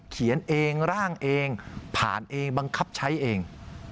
เขียนเองร่างเองผ่านเองบังคับใช้เอง